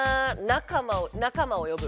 「仲間を呼ぶ！」。